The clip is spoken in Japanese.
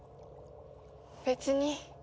別に。